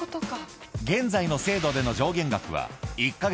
現在の制度での上限額は１か月